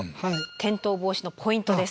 転倒防止のポイントです。